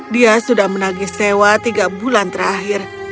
dia sudah menangis sewa tiga bulan terakhir